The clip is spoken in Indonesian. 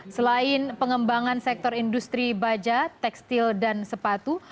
selain pengembangan sektor industri baja tekstil dan sepatu